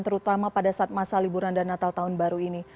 terutama pada saat masa liburan dan natal tahun baru ini